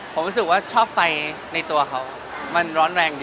ผมรู้สึกว่าชอบไฟในตัวเขามันร้อนแรงดี